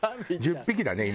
１０匹だね